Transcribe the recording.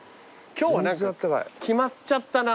今日は何か決まっちゃったな。